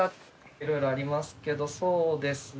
色々ありますけどそうですね